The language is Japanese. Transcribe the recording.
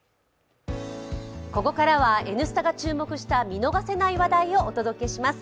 ここからは「Ｎスタ」が注目した見逃せない話題をお届けします。